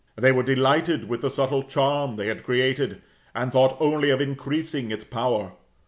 They were delighted with the subtle charm they had created, and thought only of increasing its power.